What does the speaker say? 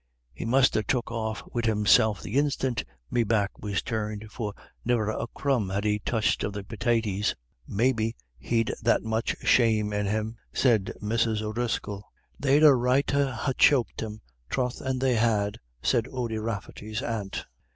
"He must ha' took off wid himself the instiant me back was turned, for ne'er a crumb had he touched of the pitaties." "Maybe he'd that much shame in him," said Mrs. O'Driscoll. "They'd a right to ha' choked him, troth and they had," said Ody Rafferty's aunt.